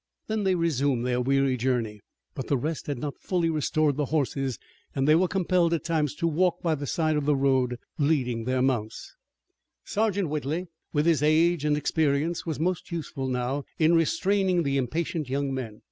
Then they resumed their weary journey, but the rest had not fully restored the horses and they were compelled at times to walk by the side of the road, leading their mounts. Sergeant Whitley, with his age and experience, was most useful now in restraining the impatient young men.